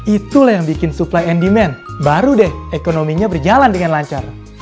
itulah yang bikin supply and demand baru deh ekonominya berjalan dengan lancar